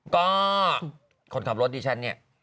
ก็คนขับรถดิฉันเนี่ย